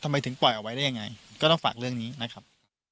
ทำไมถึงปล่อยเอาไว้ได้ยังไงก็ต้องฝากเรื่องนี้นะครับ